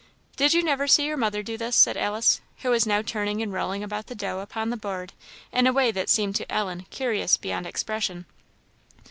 "Did you never see your mother do this?" said Alice, who was now turning and rolling about the dough upon the board in a way that seemed to Ellen curious beyond expression.